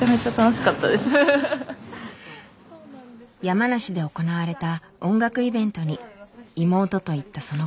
山梨で行われた音楽イベントに妹と行ったその帰り道。